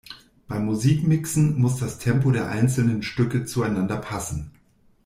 Beim Musikmixen muss das Tempo der einzelnen Stücke zueinander passen.